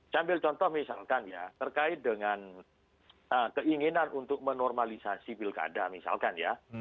sambil contoh misalkan ya terkait dengan keinginan untuk menormalisasi pilkada misalkan ya